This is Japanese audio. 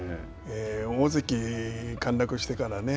大関陥落してからね